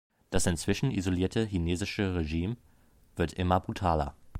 Das inzwischen isolierte chinesische Regime wird immer brutaler.